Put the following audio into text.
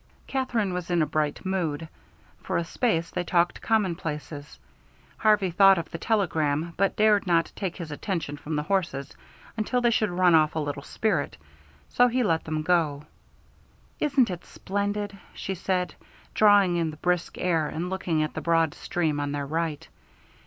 Katherine was in a bright mood. For a space they talked commonplaces. Harvey thought of the telegram, but dared not take his attention from the horses until they should run off a little spirit, so he let them go. "Isn't it splendid," she said, drawing in the brisk air and looking at the broad stream on their right.